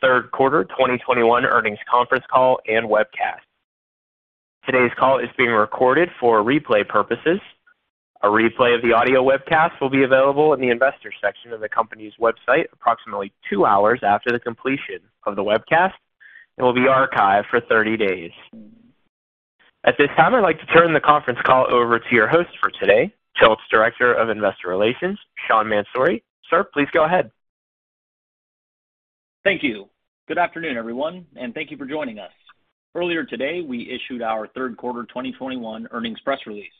Third quarter 2021 earnings conference call and webcast. Today's call is being recorded for replay purposes. A replay of the audio webcast will be available in the Investors section of the company's website approximately two hours after the completion of the webcast and will be archived for 30 days. At this time, I'd like to turn the conference call over to your host for today, TILT's Director of Investor Relations, Sean Mansouri. Sir, please go ahead. Thank you. Good afternoon, everyone, and thank you for joining us. Earlier today, we issued our third quarter 2021 earnings press release.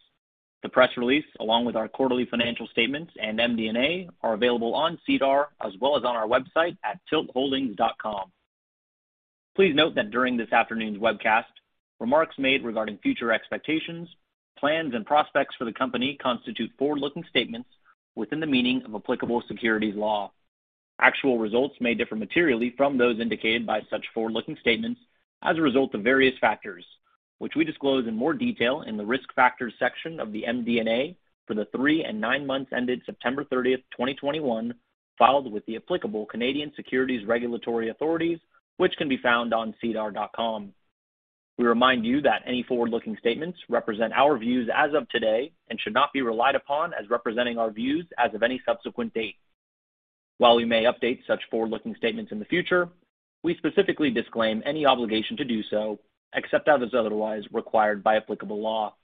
The press release, along with our quarterly financial statements and MD&A, are available on SEDAR as well as on our website at tiltholdings.com. Please note that during this afternoon's webcast, remarks made regarding future expectations, plans, and prospects for the company constitute forward-looking statements within the meaning of applicable securities law. Actual results may differ materially from those indicated by such forward-looking statements as a result of various factors, which we disclose in more detail in the Risk Factors section of the MD&A for the three and nine months ended September 30th, 2021, filed with the applicable Canadian securities regulatory authorities, which can be found on sedar.com. We remind you that any forward-looking statements represent our views as of today and should not be relied upon as representing our views as of any subsequent date. While we may update such forward-looking statements in the future, we specifically disclaim any obligation to do so, except as otherwise required by applicable law.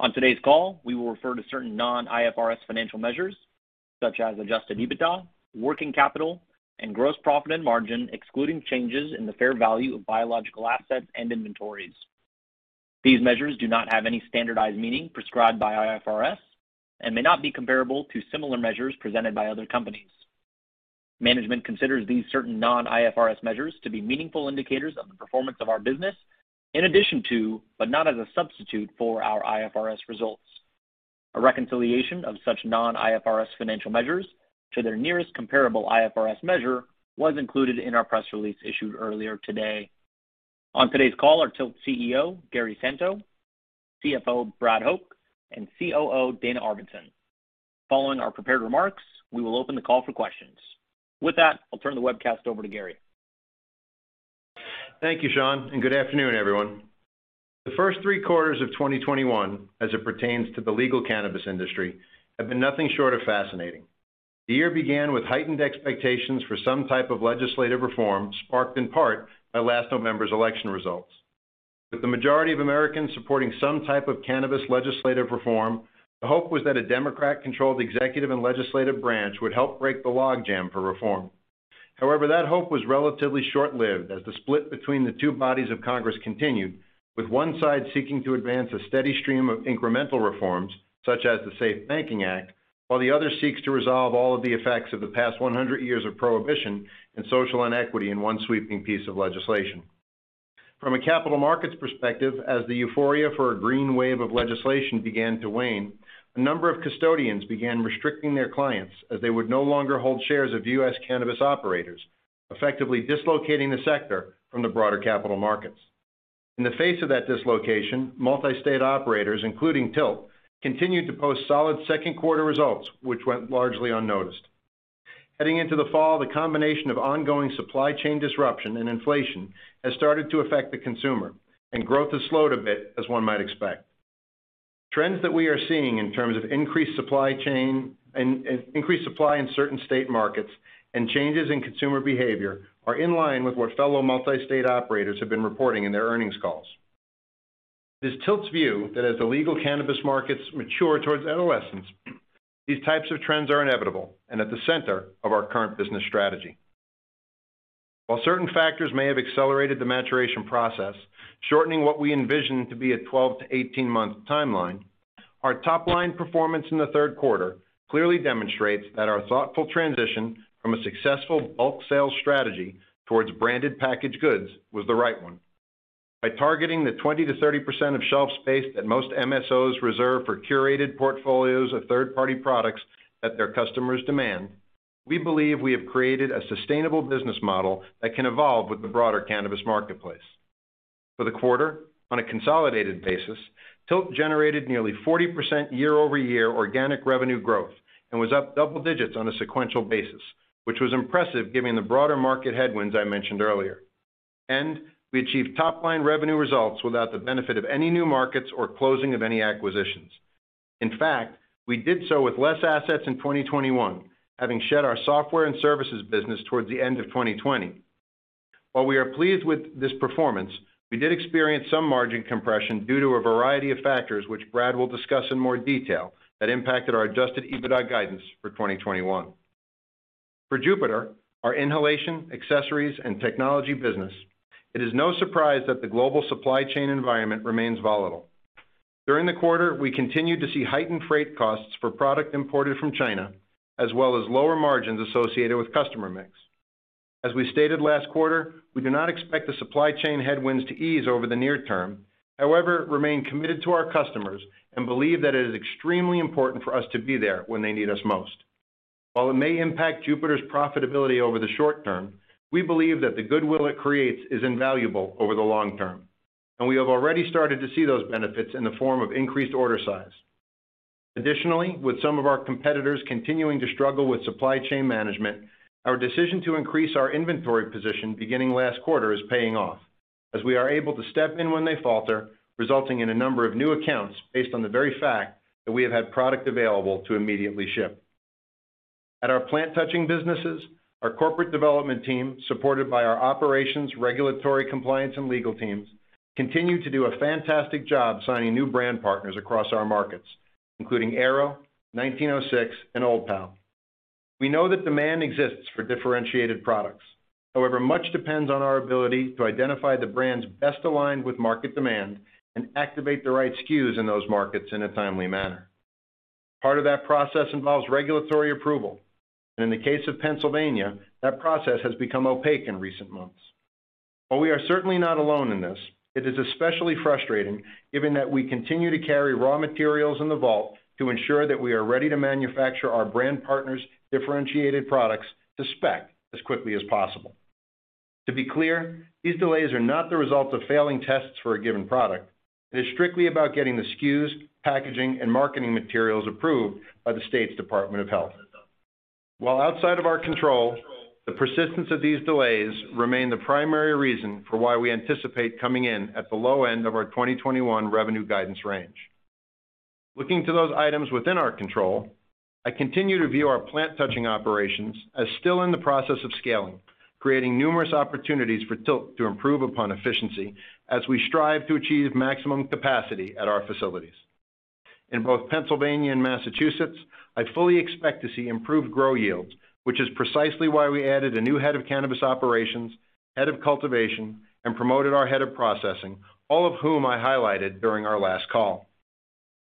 On today's call, we will refer to certain non-IFRS financial measures, such as Adjusted EBITDA, working capital, and gross profit and margin, excluding changes in the fair value of biological assets and inventories. These measures do not have any standardized meaning prescribed by IFRS and may not be comparable to similar measures presented by other companies. Management considers these certain non-IFRS measures to be meaningful indicators of the performance of our business in addition to, but not as a substitute for our IFRS results. A reconciliation of such non-IFRS financial measures to their nearest comparable IFRS measure was included in our press release issued earlier today. On today's call are TILT CEO, Gary Santo, CFO, Brad Hoch, and COO, Dana Arvidson. Following our prepared remarks, we will open the call for questions. With that, I'll turn the webcast over to Gary. Thank you, Sean, and good afternoon, everyone. The first three quarters of 2021, as it pertains to the legal cannabis industry, have been nothing short of fascinating. The year began with heightened expectations for some type of legislative reform, sparked in part by last November's election results. With the majority of Americans supporting some type of cannabis legislative reform, the hope was that a Democrat-controlled executive and legislative branch would help break the logjam for reform. However, that hope was relatively short-lived as the split between the two bodies of Congress continued, with one side seeking to advance a steady stream of incremental reforms, such as the SAFE Banking Act, while the other seeks to resolve all of the effects of the past 100 years of prohibition and social inequity in one sweeping piece of legislation. From a capital markets perspective, as the euphoria for a green wave of legislation began to wane, a number of custodians began restricting their clients as they would no longer hold shares of U.S. cannabis operators, effectively dislocating the sector from the broader capital markets. In the face of that dislocation, multi-state operators, including TILT, continued to post solid second quarter results, which went largely unnoticed. Heading into the fall, the combination of ongoing supply chain disruption and inflation has started to affect the consumer, and growth has slowed a bit, as one might expect. Trends that we are seeing in terms of increased supply in certain state markets and changes in consumer behavior are in line with what fellow multi-state operators have been reporting in their earnings calls. It is TILT's view that as the legal cannabis markets mature towards adolescence, these types of trends are inevitable and at the center of our current business strategy. While certain factors may have accelerated the maturation process, shortening what we envision to be a 12-18-month timeline, our top-line performance in the third quarter clearly demonstrates that our thoughtful transition from a successful bulk sales strategy towards branded packaged goods was the right one. By targeting the 20%-30% of shelf space that most MSOs reserve for curated portfolios of third-party products that their customers demand, we believe we have created a sustainable business model that can evolve with the broader cannabis marketplace. For the quarter, on a consolidated basis, TILT generated nearly 40% year-over-year organic revenue growth and was up double digits on a sequential basis, which was impressive given the broader market headwinds I mentioned earlier. We achieved top-line revenue results without the benefit of any new markets or closing of any acquisitions. In fact, we did so with less assets in 2021, having shed our software and services business towards the end of 2020. While we are pleased with this performance, we did experience some margin compression due to a variety of factors, which Brad will discuss in more detail, that impacted our Adjusted EBITDA guidance for 2021. For Jupiter, our inhalation, accessories, and technology business, it is no surprise that the global supply chain environment remains volatile. During the quarter, we continued to see heightened freight costs for product imported from China, as well as lower margins associated with customer mix. As we stated last quarter, we do not expect the supply chain headwinds to ease over the near term. However, we remain committed to our customers and believe that it is extremely important for us to be there when they need us most. While it may impact Jupiter's profitability over the short term, we believe that the goodwill it creates is invaluable over the long term, and we have already started to see those benefits in the form of increased order size. Additionally, with some of our competitors continuing to struggle with supply chain management, our decision to increase our inventory position beginning last quarter is paying off as we are able to step in when they falter, resulting in a number of new accounts based on the very fact that we have had product available to immediately ship. At our plant-touching businesses, our corporate development team, supported by our operations, regulatory compliance, and legal teams, continue to do a fantastic job signing new brand partners across our markets, including Airo, 1906, and Old Pal. We know that demand exists for differentiated products. However, much depends on our ability to identify the brands best aligned with market demand and activate the right SKUs in those markets in a timely manner. Part of that process involves regulatory approval, and in the case of Pennsylvania, that process has become opaque in recent months. While we are certainly not alone in this, it is especially frustrating given that we continue to carry raw materials in the vault to ensure that we are ready to manufacture our brand partners' differentiated products to spec as quickly as possible. To be clear, these delays are not the result of failing tests for a given product. It is strictly about getting the SKUs, packaging, and marketing materials approved by the State's Department of Health. While outside of our control, the persistence of these delays remain the primary reason for why we anticipate coming in at the low end of our 2021 revenue guidance range. Looking to those items within our control, I continue to view our plant-touching operations as still in the process of scaling, creating numerous opportunities for TILT to improve upon efficiency as we strive to achieve maximum capacity at our facilities. In both Pennsylvania and Massachusetts, I fully expect to see improved grow yields, which is precisely why we added a new head of cannabis operations, head of cultivation, and promoted our head of processing, all of whom I highlighted during our last call.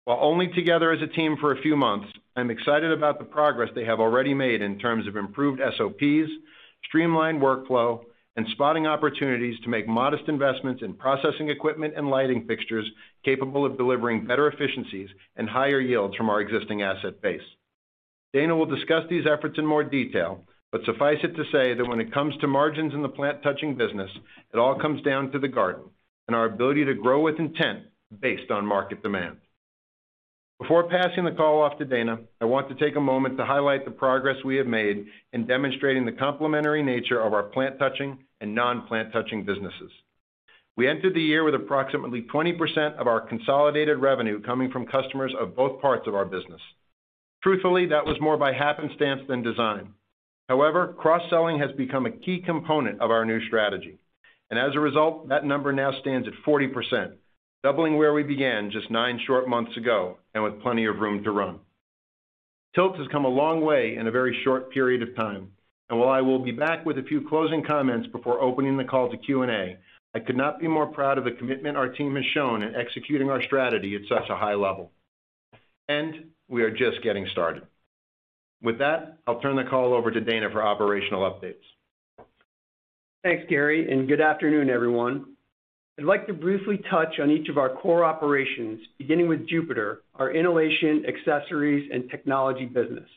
While only together as a team for a few months, I am excited about the progress they have already made in terms of improved SOPs, streamlined workflow, and spotting opportunities to make modest investments in processing equipment and lighting fixtures capable of delivering better efficiencies and higher yields from our existing asset base. Dana will discuss these efforts in more detail, but suffice it to say that when it comes to margins in the plant-touching business, it all comes down to the garden, and our ability to grow with intent based on market demand. Before passing the call off to Dana, I want to take a moment to highlight the progress we have made in demonstrating the complementary nature of our plant-touching and non-plant-touching businesses. We entered the year with approximately 20% of our consolidated revenue coming from customers of both parts of our business. Truthfully, that was more by happenstance than design. However, cross-selling has become a key component of our new strategy, and as a result, that number now stands at 40%, doubling where we began just nine short months ago, and with plenty of room to run. TILT has come a long way in a very short period of time, and while I will be back with a few closing comments before opening the call to Q&A, I could not be more proud of the commitment our team has shown in executing our strategy at such a high level. We are just getting started. With that, I'll turn the call over to Dana for operational updates. Thanks, Gary, and good afternoon, everyone. I'd like to briefly touch on each of our core operations, beginning with Jupiter, our inhalation, accessories, and technology business.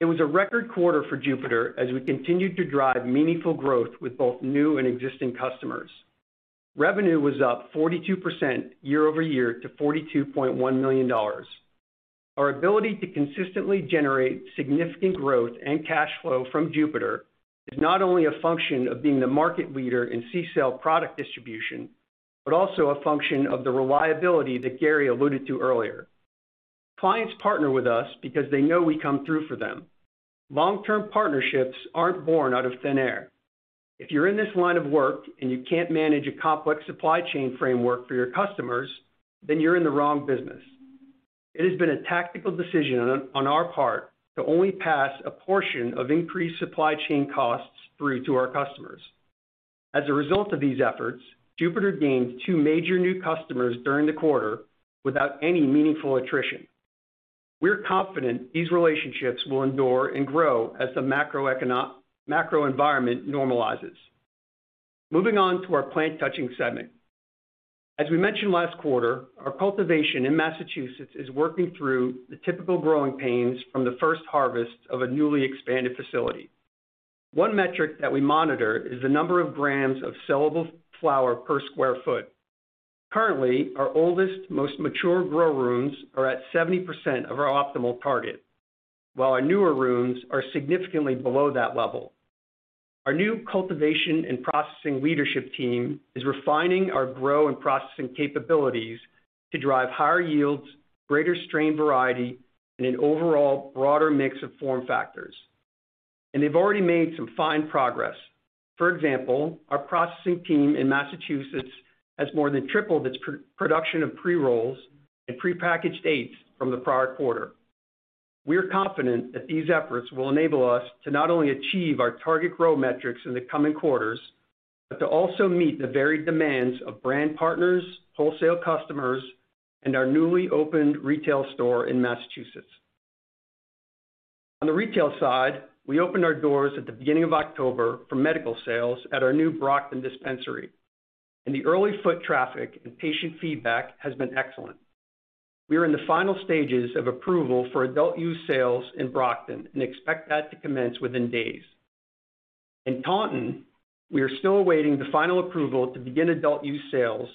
It was a record quarter for Jupiter as we continued to drive meaningful growth with both new and existing customers. Revenue was up 42% year-over-year to $42.1 million. Our ability to consistently generate significant growth and cash flow from Jupiter is not only a function of being the market leader in CCELL product distribution, but also a function of the reliability that Gary alluded to earlier. Clients partner with us because they know we come through for them. Long-term partnerships aren't born out of thin air. If you're in this line of work and you can't manage a complex supply chain framework for your customers, then you're in the wrong business. It has been a tactical decision on our part to only pass a portion of increased supply chain costs through to our customers. As a result of these efforts, Jupiter gained two major new customers during the quarter without any meaningful attrition. We're confident these relationships will endure and grow as the macro environment normalizes. Moving on to our plant-touching segment. As we mentioned last quarter, our cultivation in Massachusetts is working through the typical growing pains from the first harvest of a newly expanded facility. One metric that we monitor is the number of grams of sellable flower per sq ft. Currently, our oldest, most mature grow rooms are at 70% of our optimal target, while our newer rooms are significantly below that level. Our new cultivation and processing leadership team is refining our grow and processing capabilities to drive higher yields, greater strain variety, and an overall broader mix of form factors. They've already made some fine progress. For example, our processing team in Massachusetts has more than tripled its production of pre-rolls and prepackaged eighths from the prior quarter. We are confident that these efforts will enable us to not only achieve our target grow metrics in the coming quarters, but to also meet the varied demands of brand partners, wholesale customers, and our newly opened retail store in Massachusetts. On the retail side, we opened our doors at the beginning of October for medical sales at our new Brockton dispensary, and the early foot traffic and patient feedback has been excellent. We are in the final stages of approval for adult use sales in Brockton and expect that to commence within days. In Taunton, we are still awaiting the final approval to begin adult use sales,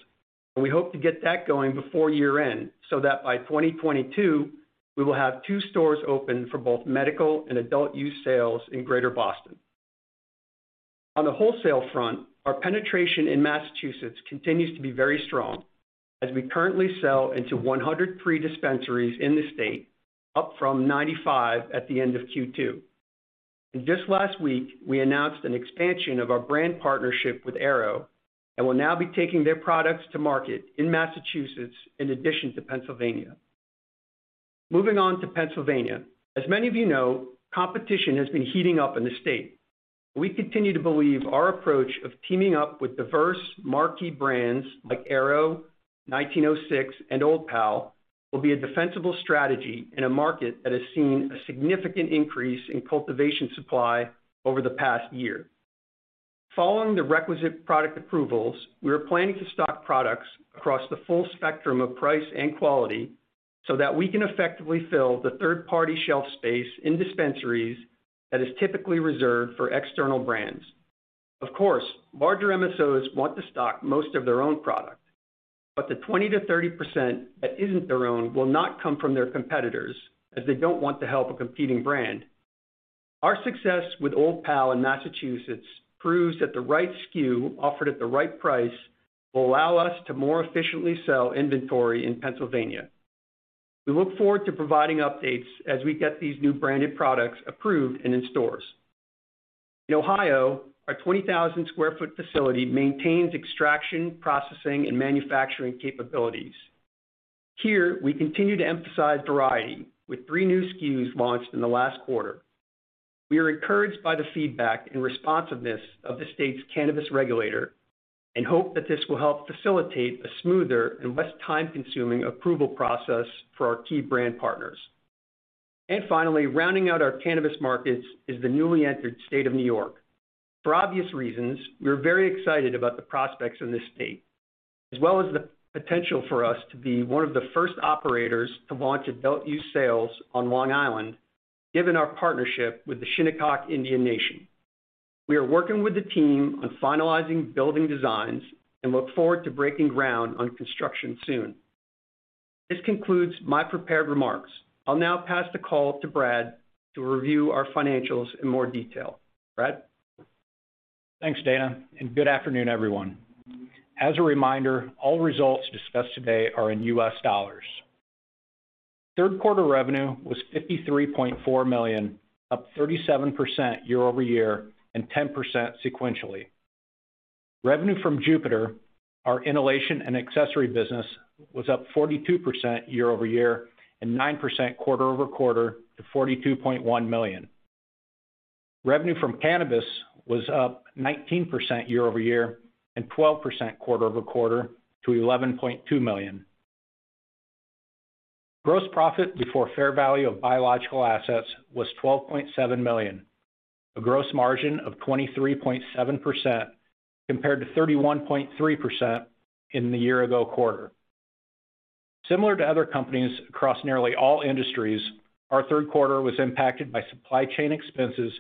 and we hope to get that going before year-end, so that by 2022, we will have two stores open for both medical and adult use sales in Greater Boston. On the wholesale front, our penetration in Massachusetts continues to be very strong as we currently sell into 100 pre-dispensaries in the state, up from 95 at the end of Q2. Just last week, we announced an expansion of our brand partnership with Airo, and we'll now be taking their products to market in Massachusetts in addition to Pennsylvania. Moving on to Pennsylvania. As many of you know, competition has been heating up in the state. We continue to believe our approach of teaming up with diverse marquee brands like Airo, 1906, and Old Pal will be a defensible strategy in a market that has seen a significant increase in cultivation supply over the past year. Following the requisite product approvals, we are planning to stock products across the full spectrum of price and quality so that we can effectively fill the third-party shelf space in dispensaries that is typically reserved for external brands. Of course, larger MSOs want to stock most of their own product, but the 20%-30% that isn't their own will not come from their competitors as they don't want to help a competing brand. Our success with Old Pal in Massachusetts proves that the right SKU offered at the right price will allow us to more efficiently sell inventory in Pennsylvania. We look forward to providing updates as we get these new branded products approved and in stores. In Ohio, our 20,000 sq ft facility maintains extraction, processing, and manufacturing capabilities. Here, we continue to emphasize variety with three new SKUs launched in the last quarter. We are encouraged by the feedback and responsiveness of the state's cannabis regulator and hope that this will help facilitate a smoother and less time-consuming approval process for our key brand partners. Finally, rounding out our cannabis markets is the newly entered state of New York. For obvious reasons, we are very excited about the prospects in this state, as well as the potential for us to be one of the first operators to launch adult use sales on Long Island, given our partnership with the Shinnecock Indian Nation. We are working with the team on finalizing building designs and look forward to breaking ground on construction soon. This concludes my prepared remarks. I'll now pass the call to Brad to review our financials in more detail. Brad? Thanks, Dana, and good afternoon, everyone. As a reminder, all results discussed today are in U.S. dollars. Third quarter revenue was $53.4 million, up 37% year-over-year and 10% sequentially. Revenue from Jupiter, our inhalation and accessory business, was up 42% year-over-year and 9% quarter-over-quarter to $42.1 million. Revenue from cannabis was up 19% year-over-year and 12% quarter-over-quarter to $11.2 million. Gross profit before fair value of biological assets was $12.7 million, a gross margin of 23.7% compared to 31.3% in the year ago quarter. Similar to other companies across nearly all industries, our third quarter was impacted by supply chain expenses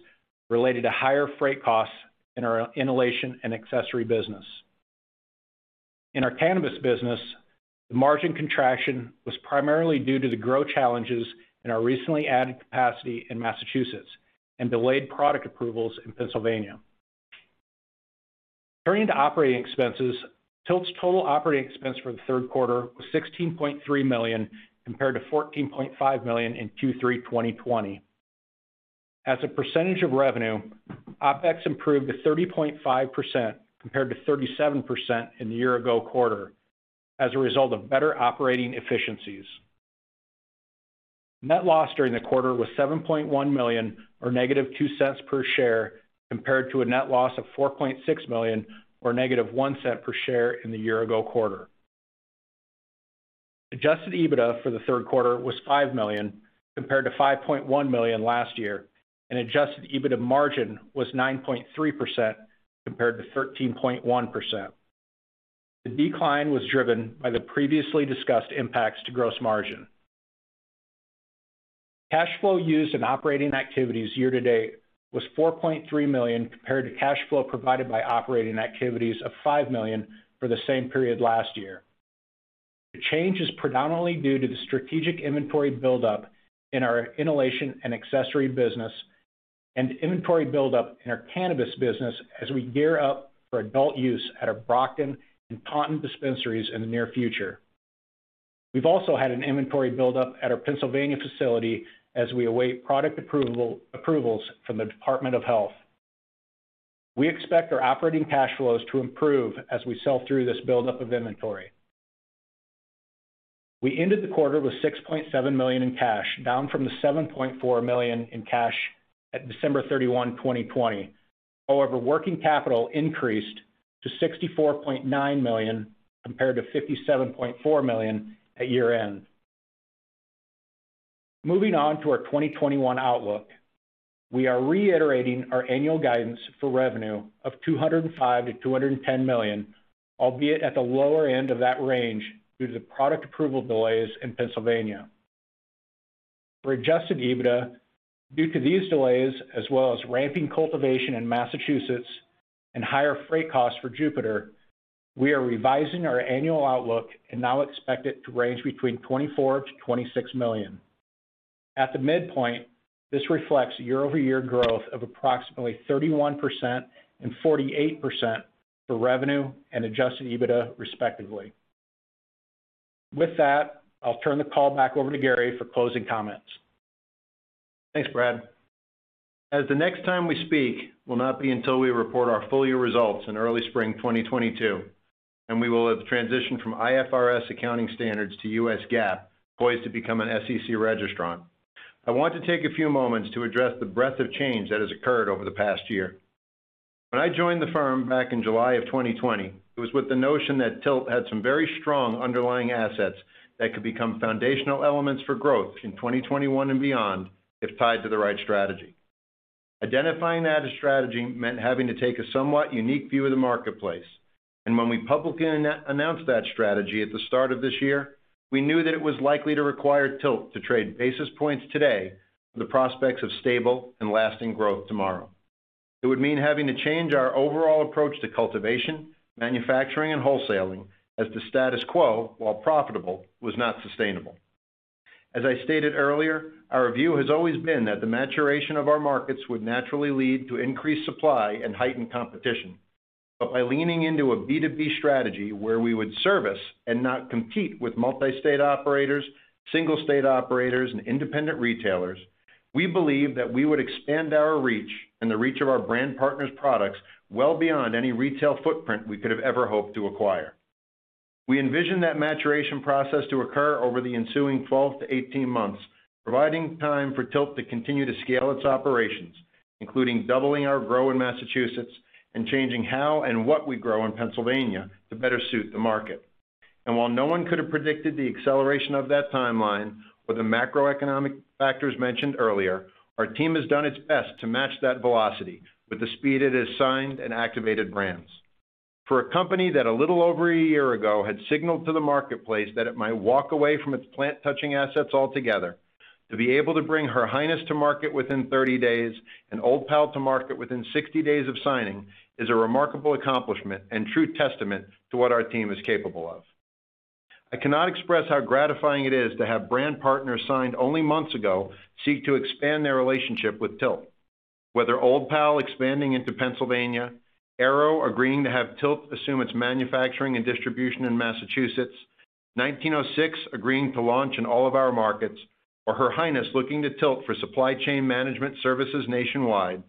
related to higher freight costs in our inhalation and accessory business. In our cannabis business, the margin contraction was primarily due to the growth challenges in our recently added capacity in Massachusetts, and delayed product approvals in Pennsylvania. Turning to operating expenses, TILT's total operating expense for the third quarter was $16.3 million compared to $14.5 million in Q3 2020. As a percentage of revenue, OpEx improved to 30.5% compared to 37% in the year ago quarter as a result of better operating efficiencies. Net loss during the quarter was $7.1 million or -$0.02 per share compared to a net loss of $4.6 million or -$0.01 per share in the year ago quarter. Adjusted EBITDA for the third quarter was $5 million compared to $5.1 million last year, and adjusted EBITDA margin was 9.3% compared to 13.1%. The decline was driven by the previously discussed impacts to gross margin. Cash flow used in operating activities year to date was $4.3 million compared to cash flow provided by operating activities of $5 million for the same period last year. The change is predominantly due to the strategic inventory buildup in our inhalation and accessory business and inventory buildup in our cannabis business as we gear up for adult use at our Brockton and Taunton dispensaries in the near future. We've also had an inventory buildup at our Pennsylvania facility as we await product approvals from the Department of Health. We expect our operating cash flows to improve as we sell through this buildup of inventory. We ended the quarter with $6.7 million in cash, down from the $7.4 million in cash at December 31, 2020. However, working capital increased to $64.9 million compared to $57.4 million at year-end. Moving on to our 2021 outlook. We are reiterating our annual guidance for revenue of $205 million-$210 million, albeit at the lower end of that range due to the product approval delays in Pennsylvania. For adjusted EBITDA, due to these delays as well as ramping cultivation in Massachusetts and higher freight costs for Jupiter, we are revising our annual outlook and now expect it to range between $24 million-$26 million. At the midpoint, this reflects year-over-year growth of approximately 31% and 48% for revenue and adjusted EBITDA, respectively. With that, I'll turn the call back over to Gary for closing comments. Thanks, Brad. As the next time we speak will not be until we report our full year results in early spring 2022, and we will have transitioned from IFRS accounting standards to U.S. GAAP, poised to become an SEC registrant. I want to take a few moments to address the breadth of change that has occurred over the past year. When I joined the firm back in July of 2020, it was with the notion that TILT had some very strong underlying assets that could become foundational elements for growth in 2021 and beyond if tied to the right strategy. Identifying that strategy meant having to take a somewhat unique view of the marketplace, and when we publicly announced that strategy at the start of this year, we knew that it was likely to require TILT to trade basis points today for the prospects of stable and lasting growth tomorrow. It would mean having to change our overall approach to cultivation, manufacturing, and wholesaling as the status quo, while profitable, was not sustainable. As I stated earlier, our view has always been that the maturation of our markets would naturally lead to increased supply and heightened competition. By leaning into a B2B strategy where we would service and not compete with multi-state operators, single state operators, and independent retailers, we believe that we would expand our reach and the reach of our brand partners products well beyond any retail footprint we could have ever hoped to acquire. We envisioned that maturation process to occur over the ensuing 12-18 months, providing time for TILT to continue to scale its operations, including doubling our grow in Massachusetts and changing how and what we grow in Pennsylvania to better suit the market. While no one could have predicted the acceleration of that timeline or the macroeconomic factors mentioned earlier, our team has done its best to match that velocity with the speed it has signed and activated brands. For a company that a little over a year ago had signaled to the marketplace that it might walk away from its plant-touching assets altogether, to be able to bring Her Highness to market within 30 days and Old Pal to market within 60 days of signing is a remarkable accomplishment and true testament to what our team is capable of. I cannot express how gratifying it is to have brand partners signed only months ago seek to expand their relationship with TILT. Whether Old Pal expanding into Pennsylvania, Airo agreeing to have TILT assume its manufacturing and distribution in Massachusetts, 1906 agreeing to launch in all of our markets, or Her Highness looking to TILT for supply chain management services nationwide,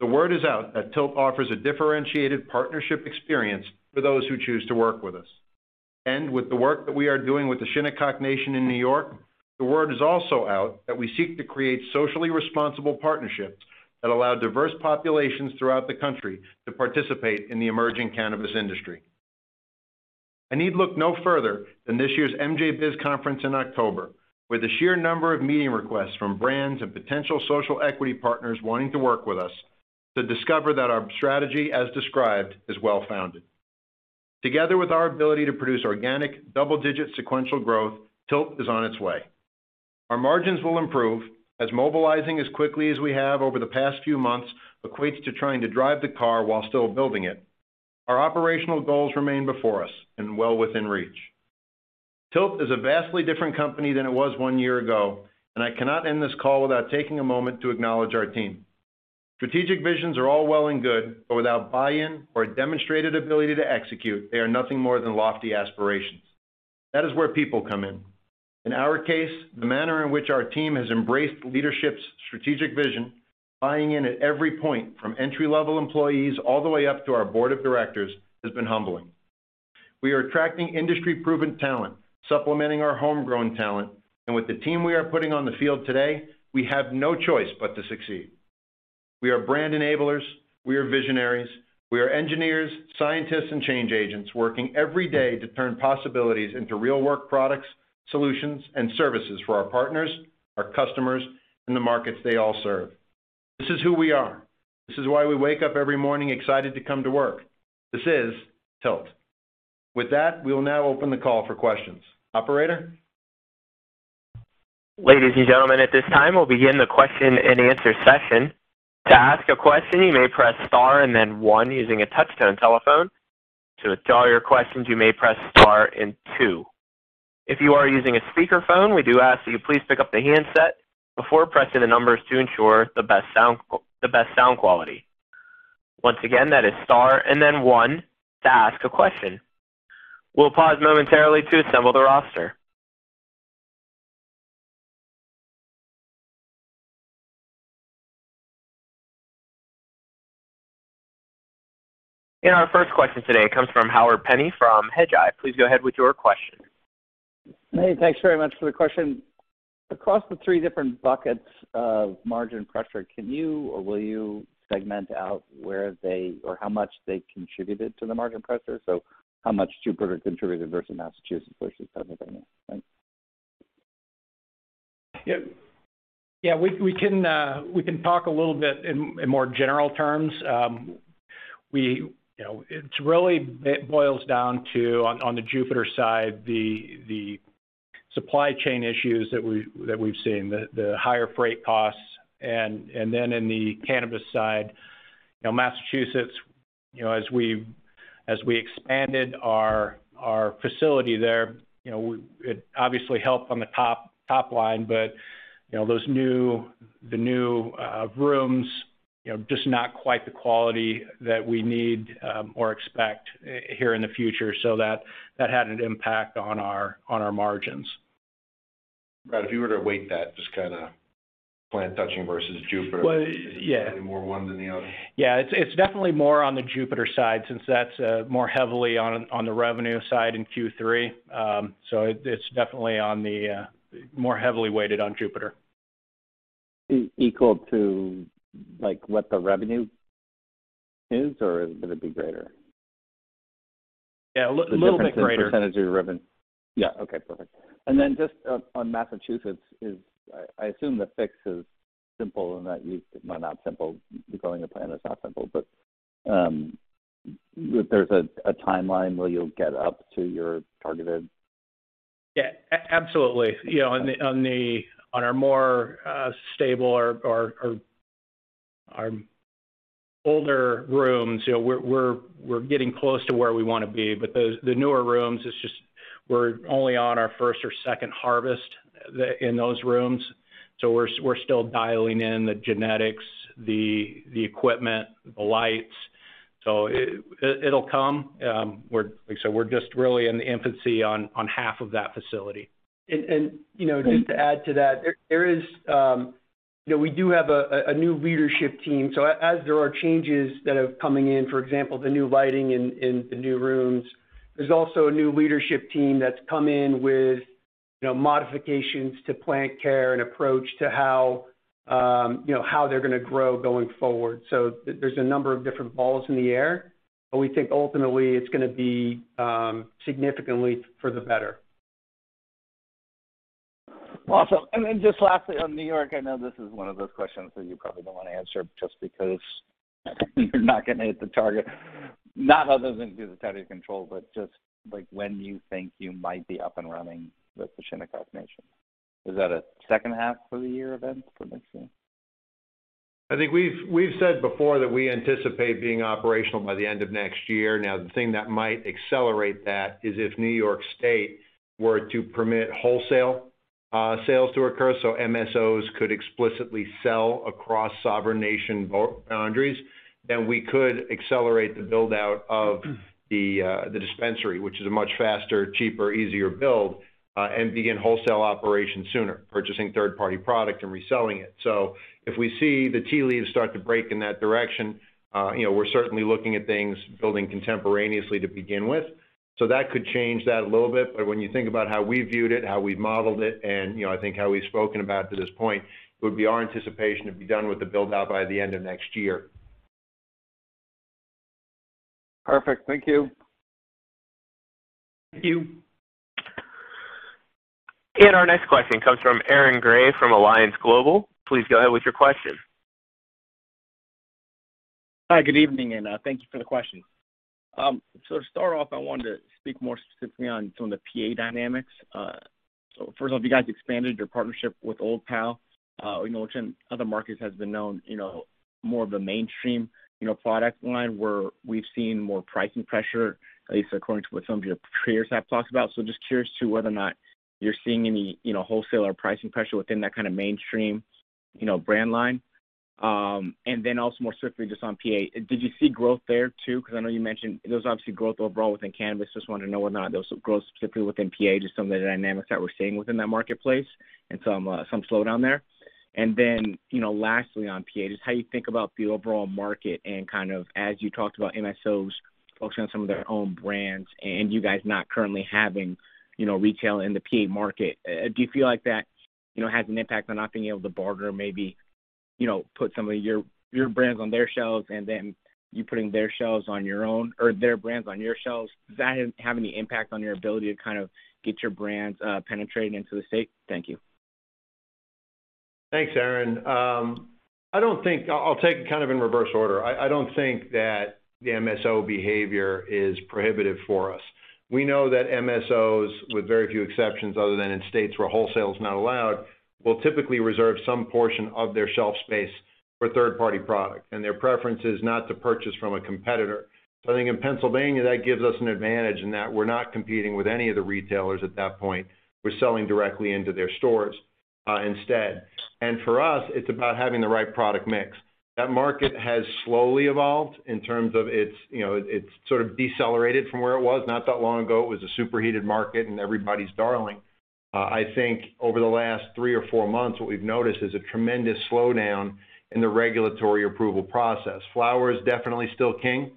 the word is out that TILT offers a differentiated partnership experience for those who choose to work with us. With the work that we are doing with the Shinnecock Nation in New York, the word is also out that we seek to create socially responsible partnerships that allow diverse populations throughout the country to participate in the emerging cannabis industry. I need look no further than this year's MJBiz conference in October, where the sheer number of meeting requests from brands and potential social equity partners wanting to work with us to discover that our strategy as described is well founded. Together with our ability to produce organic double-digit sequential growth, TILT is on its way. Our margins will improve as mobilizing as quickly as we have over the past few months equates to trying to drive the car while still building it. Our operational goals remain before us and well within reach. TILT is a vastly different company than it was one year ago, and I cannot end this call without taking a moment to acknowledge our team. Strategic visions are all well and good, but without buy-in or a demonstrated ability to execute, they are nothing more than lofty aspirations. That is where people come in. In our case, the manner in which our team has embraced leadership's strategic vision, buying in at every point from entry-level employees all the way up to our board of directors, has been humbling. We are attracting industry-proven talent, supplementing our homegrown talent, and with the team we are putting on the field today, we have no choice but to succeed. We are brand enablers, we are visionaries, we are engineers, scientists, and change agents working every day to turn possibilities into real work products, solutions, and services for our partners, our customers, and the markets they all serve. This is who we are. This is why we wake up every morning excited to come to work. This is TILT. With that, we will now open the call for questions. Operator? Ladies and gentlemen, at this time, we'll begin the question-and-answer session. To ask a question, you may press star and then one using a touch-tone telephone. To withdraw your questions, you may press star and two. If you are using a speakerphone, we do ask that you please pick up the handset before pressing the numbers to ensure the best sound quality. Once again, that is star and then one to ask a question. We'll pause momentarily to assemble the roster. Our first question today comes from Howard Penney from Hedgeye. Please go ahead with your question. Hey, thanks very much for the question. Across the three different buckets of margin pressure, can you or will you segment out where they or how much they contributed to the margin pressure? How much Jupiter contributed versus Massachusetts versus Pennsylvania? Thanks. Yeah. Yeah, we can talk a little bit in more general terms. You know, it's really, it boils down to, on the Jupiter side, the supply chain issues that we've seen, the higher freight costs. Then in the cannabis side, you know, Massachusetts, you know, as we expanded our facility there, you know, it obviously helped on the top line. You know, those new rooms just not quite the quality that we need or expect here in the future. That had an impact on our margins. Brad, if you were to weigh that, just kind of plant touching versus Jupiter. Well, yeah. Any more one than the other? Yeah. It's definitely more on the Jupiter side since that's more heavily on the revenue side in Q3. It's definitely more heavily weighted on Jupiter. Equal to like what the revenue is, or is it gonna be greater? Yeah, a little bit greater. The difference is percentage of your revenue. Yeah. Okay, perfect. Then just on Massachusetts is, I assume the fix is simple and that you, It might not simple. Growing a plant is not simple, but there's a timeline where you'll get up to your targeted. Yeah. Absolutely. You know, on our more stable or, our older rooms, you know, we're getting close to where we wanna be. The newer rooms is just we're only on our first or second harvest in those rooms, so we're still dialing in the genetics, the equipment, the lights. It'll come. We're, like I said, we're just really in the infancy on half of that facility. You know, just to add to that, there is, you know, we do have a new leadership team. As there are changes that are coming in, for example, the new lighting in the new rooms, there's also a new leadership team that's come in with, you know, modifications to plant care and approach to how, you know, how they're gonna grow going forward. There's a number of different balls in the air, but we think ultimately it's gonna be significantly for the better. Awesome. Just lastly, on New York, I know this is one of those questions that you probably don't want to answer, just because you're not gonna hit the target, not other than because it's out of your control, but just like when you think you might be up and running with the Shinnecock Nation. Is that a second half for the year event for next year? I think we've said before that we anticipate being operational by the end of next year. Now, the thing that might accelerate that is if New York State were to permit wholesale sales to occur so MSOs could explicitly sell across sovereign nation boundaries, then we could accelerate the build-out of the dispensary, which is a much faster, cheaper, easier build, and begin wholesale operations sooner, purchasing third-party product and reselling it. If we see the tea leaves start to break in that direction, you know, we're certainly looking at things building contemporaneously to begin with. That could change that a little bit. When you think about how we viewed it, how we've modeled it, and, you know, I think how we've spoken about to this point, it would be our anticipation to be done with the build-out by the end of next year. Perfect. Thank you. Thank you. Our next question comes from Aaron Grey from Alliance Global. Please go ahead with your question. Hi, good evening, and thank you for the questions. To start off, I wanted to speak more specifically on some of the PA dynamics. First off, you guys expanded your partnership with Old Pal, you know, which in other markets has been known, you know, more of a mainstream, you know, product line where we've seen more pricing pressure, at least according to what some of your peers have talked about. Just curious to whether or not you're seeing any, you know, wholesale or pricing pressure within that kind of mainstream, you know, brand line. And then also more specifically just on PA, did you see growth there too? Because I know you mentioned there was obviously growth overall within cannabis. Just wanted to know whether or not there was growth specifically within PA, just some of the dynamics that we're seeing within that marketplace and some slowdown there. You know, lastly on PA, just how you think about the overall market and kind of as you talked about MSOs focusing on some of their own brands and you guys not currently having, you know, retail in the PA market. Do you feel like that, you know, has an impact on not being able to barter or maybe, you know, put some of your brands on their shelves and then you putting their shelves on your own or their brands on your shelves? Does that have any impact on your ability to kind of get your brands penetrating into the state? Thank you. Thanks, Aaron. I don't think I'll take it kind of in reverse order. I don't think that the MSO behavior is prohibitive for us. We know that MSOs, with very few exceptions other than in states where wholesale is not allowed, will typically reserve some portion of their shelf space for third-party product, and their preference is not to purchase from a competitor. I think in Pennsylvania, that gives us an advantage in that we're not competing with any of the retailers at that point. We're selling directly into their stores, instead. For us, it's about having the right product mix. That market has slowly evolved in terms of its, you know, it's sort of decelerated from where it was. Not that long ago, it was a superheated market and everybody's darling. I think over the last three or four months, what we've noticed is a tremendous slowdown in the regulatory approval process. Flower is definitely still king,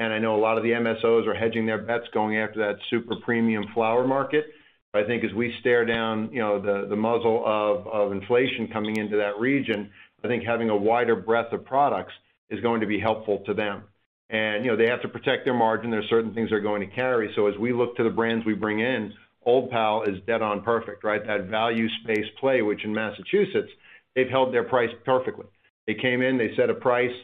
and I know a lot of the MSOs are hedging their bets going after that super premium flower market. I think as we stare down, you know, the muzzle of inflation coming into that region, I think having a wider breadth of products is going to be helpful to them. You know, they have to protect their margin. There are certain things they're going to carry. As we look to the brands we bring in, Old Pal is dead on perfect, right? That value space play, which in Massachusetts, they've held their price perfectly. They came in, they set a price,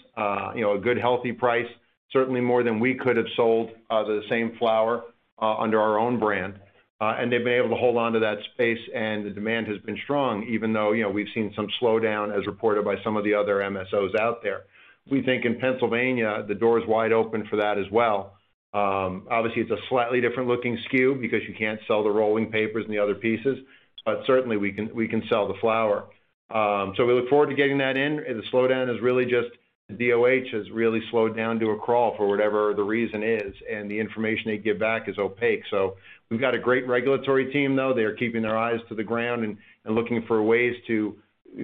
you know, a good, healthy price, certainly more than we could have sold the same flower under our own brand. They've been able to hold onto that space, and the demand has been strong, even though, you know, we've seen some slowdown as reported by some of the other MSOs out there. We think in Pennsylvania, the door is wide open for that as well. Obviously, it's a slightly different looking SKU because you can't sell the rolling papers and the other pieces, but certainly we can sell the flower. We look forward to getting that in. The slowdown is really just DOH has really slowed down to a crawl for whatever the reason is, and the information they give back is opaque. We've got a great regulatory team, though. They are keeping their eyes to the ground, and looking for ways to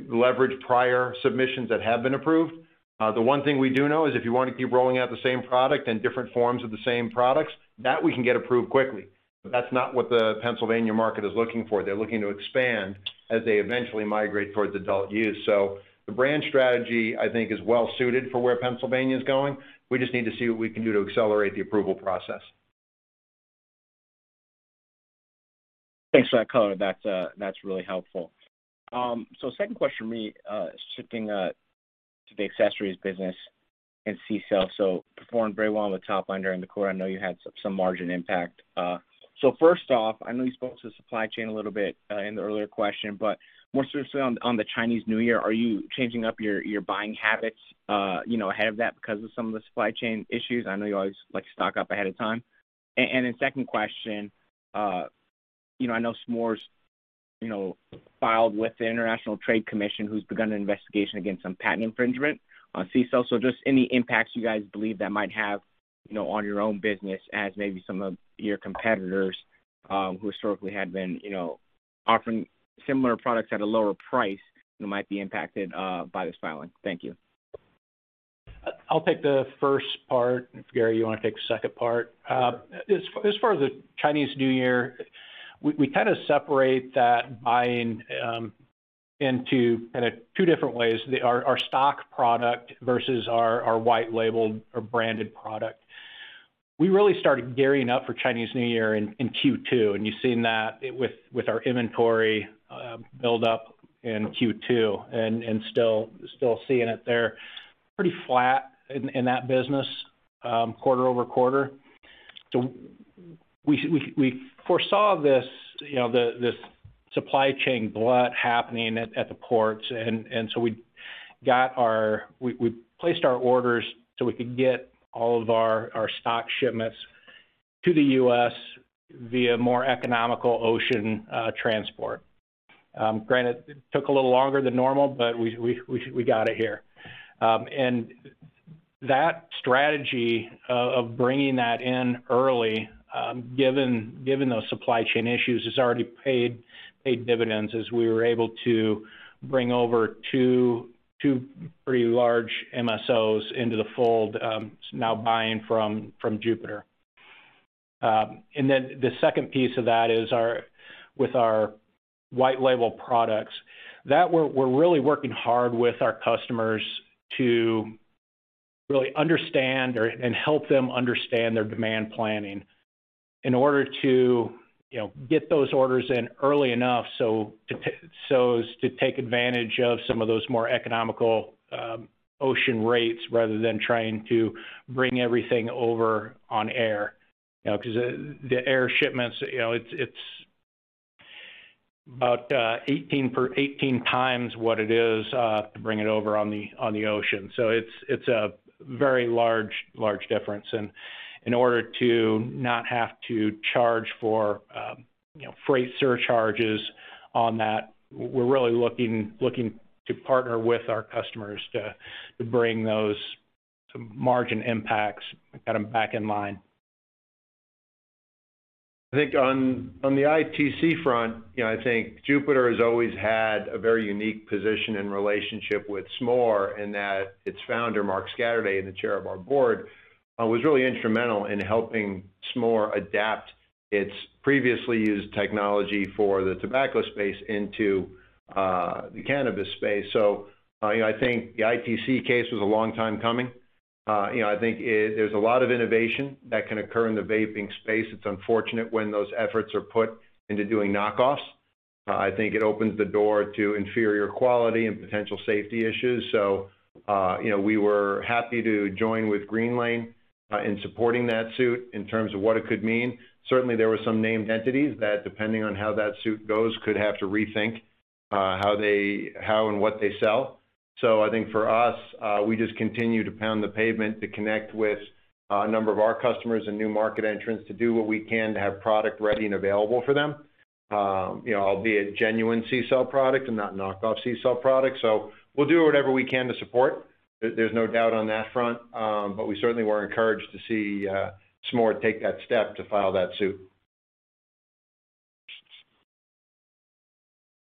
leverage prior submissions that have been approved. The one thing we do know is if you wanna keep rolling out the same product and different forms of the same products, that we can get approved quickly. But that's not what the Pennsylvania market is looking for. They're looking to expand as they eventually migrate towards adult use. The brand strategy, I think, is well suited for where Pennsylvania is going. We just need to see what we can do to accelerate the approval process. Thanks for that color. That's really helpful. Second question for me, shifting to the accessories business and CCELL. Performed very well on the top line during the quarter. I know you had some margin impact. First off, I know you spoke to the supply chain a little bit in the earlier question, but more specifically on the Chinese New Year, are you changing up your buying habits, you know, ahead of that because of some of the supply chain issues? I know you always like to stock up ahead of time. Second question, you know, I know Smoore filed with the International Trade Commission who's begun an investigation against some patent infringement on CCELL. Just any impacts you guys believe that might have, you know, on your own business as maybe some of your competitors, who historically had been, you know, offering similar products at a lower price who might be impacted by this filing? Thank you. I'll take the first part, if, Gary, you wanna take the second part. As far as the Chinese New Year, we kind of separate that buying into kind of two different ways, our stock product versus our white label or branded product. We really started gearing up for Chinese New Year in Q2, and you've seen that with our inventory build up in Q2 and still seeing it there. Pretty flat in that business quarter-over-quarter. We foresaw this, you know, this supply chain glut happening at the ports. We placed our orders so we could get all of our stock shipments to the U.S. via more economical ocean transport. Granted, it took a little longer than normal, but we got it here. That strategy of bringing that in early, given those supply chain issues, has already paid dividends as we were able to bring over two pretty large MSOs into the fold, now buying from Jupiter. The second piece of that is, with our white label products, that we're really working hard with our customers to really understand and help them understand their demand planning in order to, you know, get those orders in early enough, so as to take advantage of some of those more economical ocean rates rather than trying to bring everything over on air. You know, because the air shipments, you know, it's about $18 per 18 times what it is to bring it over on the ocean. It's a very large difference. In order to not have to charge for, you know, freight surcharges on that, we're really looking to partner with our customers to bring those margin impacts kind of back in line. I think on the ITC front, you know, I think Jupiter has always had a very unique position and relationship with Smoore in that its founder, Mark Scatterday, the Chair of our board, was really instrumental in helping Smoore adapt its previously used technology for the tobacco space into the cannabis space. You know, I think the ITC case was a long time coming. You know, there's a lot of innovation that can occur in the vaping space. It's unfortunate when those efforts are put into doing knockoffs. I think it opens the door to inferior quality and potential safety issues. You know, we were happy to join with Greenlane in supporting that suit in terms of what it could mean. Certainly, there were some named entities that, depending on how that suit goes, could have to rethink how and what they sell. I think for us, we just continue to pound the pavement to connect with a number of our customers, and new market entrants to do what we can to have product ready and available for them, you know, albeit genuine CCELL product and not knockoff CCELL product. We'll do whatever we can to support. There's no doubt on that front. But we certainly were encouraged to see Smoore take that step to file that suit.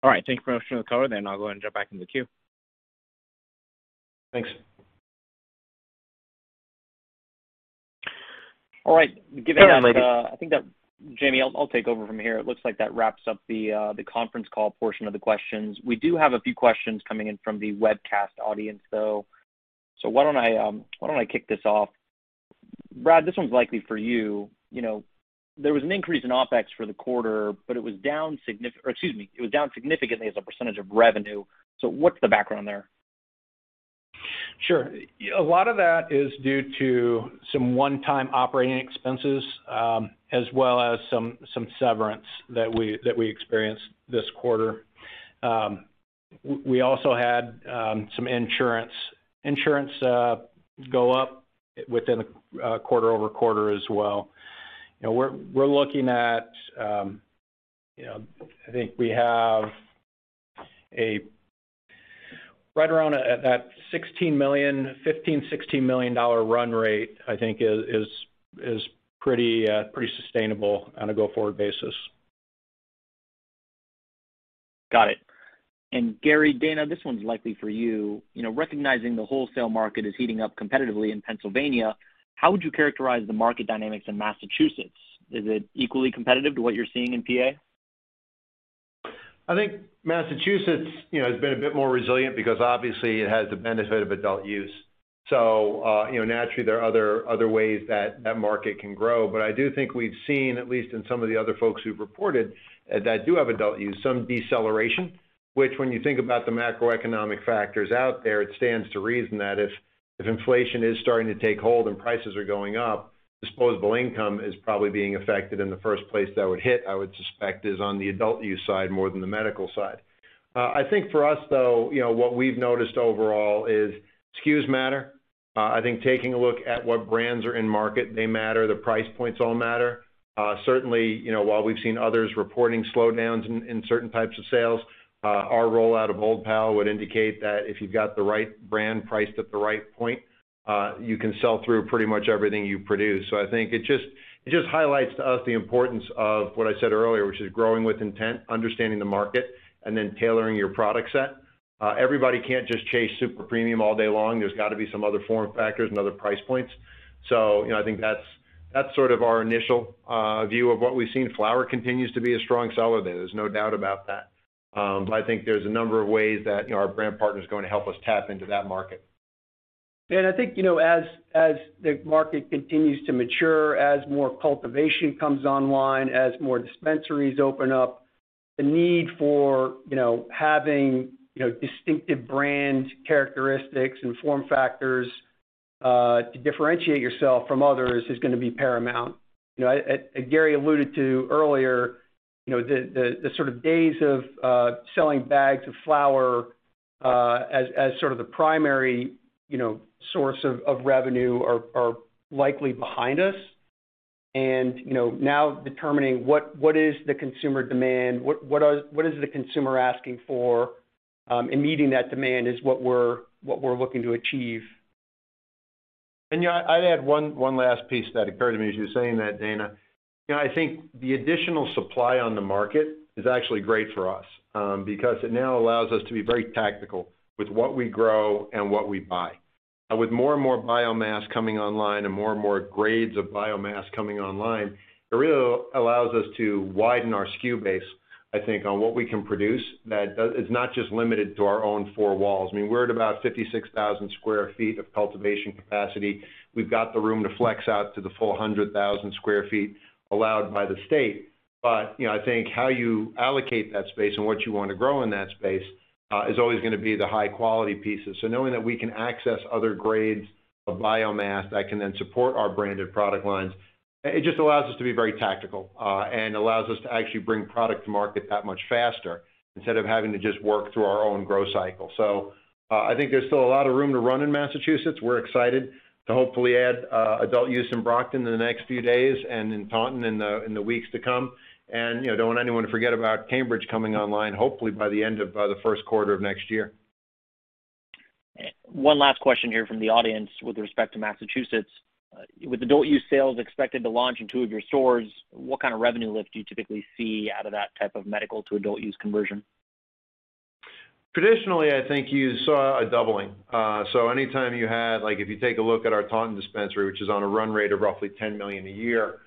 All right. Thank you very much for the color then. I'll go ahead and jump back in the queue. Thanks. All right. Given that. I think that, Jamie, I'll take over from here. It looks like that wraps up the conference call portion of the questions. We do have a few questions coming in from the webcast audience, though. Why don't I kick this off? Brad, this one's likely for you. You know, there was an increase in OpEx for the quarter, but it was down significantly as a percentage of revenue. What's the background there? Sure. A lot of that is due to some one-time operating expenses, as well as some severance that we experienced this quarter. We also had some insurance go up quarter-over-quarter as well. We're looking at, I think we have right around that $15 million-$16 million run rate, I think is pretty sustainable on a go-forward basis. Got it. Gary, Dana, this one's likely for you. You know, recognizing the wholesale market is heating up competitively in Pennsylvania, how would you characterize the market dynamics in Massachusetts? Is it equally competitive to what you're seeing in PA? I think Massachusetts, you know, has been a bit more resilient because obviously it has the benefit of adult use. You know, naturally there are other ways that market can grow. I do think we've seen, at least in some of the other folks who've reported, that do have adult use, some deceleration, which when you think about the macroeconomic factors out there, it stands to reason that if inflation is starting to take hold and prices are going up, disposable income is probably being affected. The first place that would hit, I would suspect, is on the adult use side more than the medical side. I think for us, though, you know, what we've noticed overall is SKUs matter. I think taking a look at what brands are in market, they matter. The price points all matter. Certainly, you know, while we've seen others reporting slowdowns in certain types of sales, our rollout of Old Pal would indicate that if you've got the right brand priced at the right point, you can sell through pretty much everything you produce. I think it just highlights to us the importance of what I said earlier, which is growing with intent, understanding the market, and then tailoring your product set. Everybody can't just chase super premium all day long. There's got to be some other form factors and other price points. You know, I think that's sort of our initial view of what we've seen. Flower continues to be a strong seller there's no doubt about that. I think there's a number of ways that, you know, our brand partner is going to help us tap into that market. I think, you know, as the market continues to mature, as more cultivation comes online, as more dispensaries open up, the need for, you know, having, you know, distinctive brand characteristics and form factors to differentiate yourself from others is gonna be paramount. You know, as Gary alluded to earlier, you know, the sort of days of selling bags of flower as sort of the primary, you know, source of revenue are likely behind us. You know, now determining what is the consumer demand, what is the consumer asking for, and meeting that demand is what we're looking to achieve. You know, I'd add one last piece that occurred to me as you were saying that, Dana. You know, I think the additional supply on the market is actually great for us, because it now allows us to be very tactical with what we grow and what we buy. With more and more biomass coming online, and more and more grades of biomass coming online, it really allows us to widen our SKU base, I think, on what we can produce that is not just limited to our own four walls. I mean, we're at about 56,000 sq ft of cultivation capacity. We've got the room to flex out to the full 100,000 sq ft allowed by the state. You know, I think how you allocate that space and what you want to grow in that space is always gonna be the high-quality pieces. Knowing that we can access other grades of biomass that can then support our branded product lines, it just allows us to be very tactical and allows us to actually bring product to market that much faster instead of having to just work through our own growth cycle. I think there's still a lot of room to run in Massachusetts. We're excited to hopefully add adult use in Brockton in the next few days and in Taunton in the weeks to come. You know, I don't want anyone to forget about Cambridge coming online, hopefully by the end of the first quarter of next year. One last question here from the audience with respect to Massachusetts. With adult use sales expected to launch in two of your stores, what kind of revenue lift do you typically see out of that type of medical to adult use conversion? Traditionally, I think you saw a doubling. Anytime you had, like if you take a look at our Taunton dispensary, which is on a run rate of roughly $10 million a year,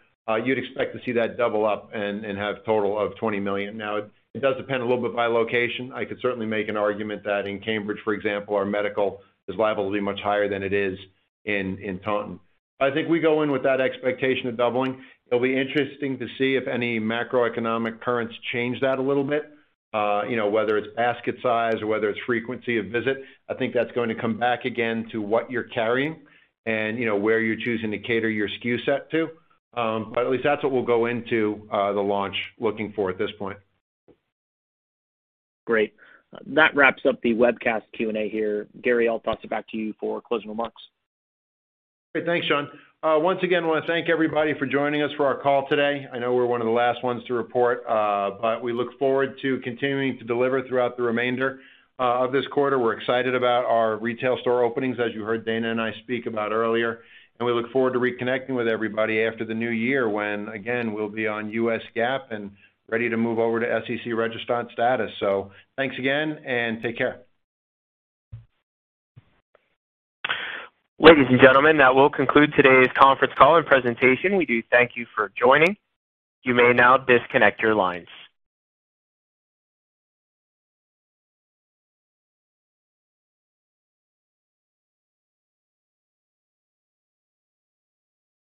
you'd expect to see that double up and have total of $20 million. Now, it does depend a little bit by location. I could certainly make an argument that in Cambridge, for example, our medical is liable to be much higher than it is in Taunton. I think we go in with that expectation of doubling. It'll be interesting to see if any macroeconomic currents change that a little bit, you know, whether it's basket size or whether it's frequency of visit. I think that's going to come back again to what you're carrying and, you know, where you're choosing to cater your SKU set to. At least that's what we'll go into, the launch looking for at this point. Great. That wraps up the webcast Q&A here. Gary, I'll toss it back to you for closing remarks. Great. Thanks, Sean. Once again, I want to thank everybody for joining us for our call today. I know we're one of the last ones to report, but we look forward to continuing to deliver throughout the remainder of this quarter. We're excited about our retail store openings, as you heard Dana and I speak about earlier. We look forward to reconnecting with everybody after the new year when, again, we'll be on U.S. GAAP and ready to move over to SEC registrant status. Thanks again and take care. Ladies and gentlemen, that will conclude today's conference call and presentation. We do thank you for joining. You may now disconnect your lines.